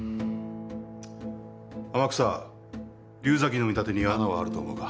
天草竜崎の見立てに穴はあると思うか？